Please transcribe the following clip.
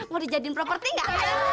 mau dijadiin properti enggak